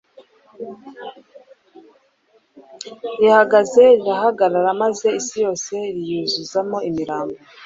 rihageze rirahagarara maze isi yose riyuzuza imirambo